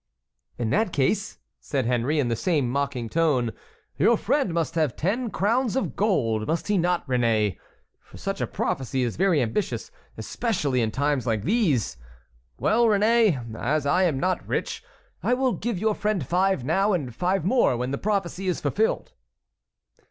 "In that case," said Henry, in the same mocking tone, "your friend must have ten crowns of gold, must he not, Réné? for such a prophecy is very ambitious, especially in times like these. Well, Réné, as I am not rich, I will give your friend five now and five more when the prophecy is fulfilled."